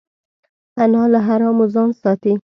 انا له حرامو ځان ساتي